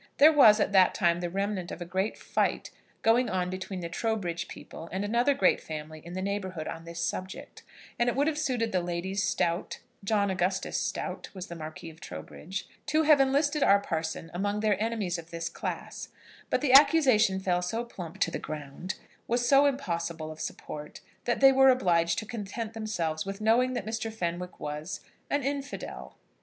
There was at that time the remnant of a great fight going on between the Trowbridge people and another great family in the neighbourhood on this subject; and it would have suited the Ladies Stowte, John Augustus Stowte was the Marquis of Trowbridge, to have enlisted our parson among their enemies of this class; but the accusation fell so plump to the ground, was so impossible of support, that they were obliged to content themselves with knowing that Mr. Fenwick was an infidel!